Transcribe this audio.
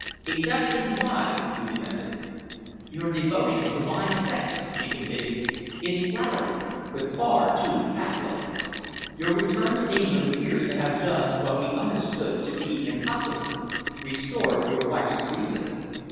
"Exactly why?" he demanded. "Your devotion to my sex," she continued, "is flattering but far too catholic. Your return to England appears to have done what we understood to be impossible restored your wife's reason.